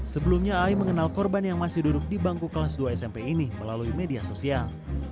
sebelumnya ai mengenal korban yang masih duduk di bangku kelas dua smp ini melalui media sosial